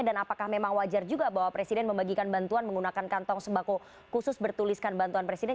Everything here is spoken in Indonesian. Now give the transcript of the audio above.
dan apakah memang wajar juga bahwa presiden membagikan bantuan menggunakan kantong sembako khusus bertuliskan bantuan presiden